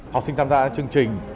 học sinh tham gia chương trình